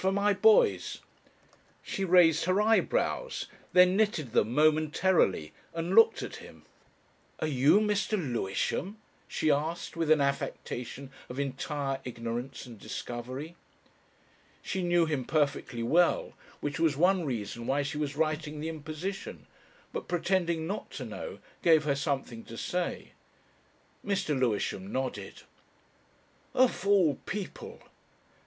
For my boys." She raised her eyebrows, then knitted them momentarily, and looked at him. "Are you Mr. Lewisham?" she asked with an affectation of entire ignorance and discovery. She knew him perfectly well, which was one reason why she was writing the imposition, but pretending not to know gave her something to say. Mr. Lewisham nodded. "Of all people!